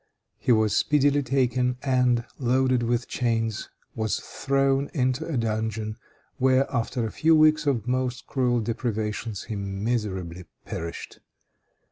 He was speedily taken, and, loaded with chains, was thrown into a dungeon, where, after a few weeks of most cruel deprivations, he miserably perished.